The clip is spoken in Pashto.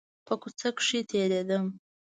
په کوڅه کښې تېرېدم .